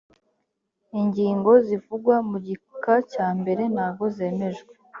ingingo zivugwa mu gika cya mbere ntago zemejwe